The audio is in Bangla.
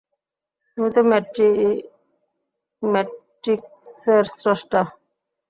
তুমি তো ম্যাট্রিক্সের স্রষ্টা।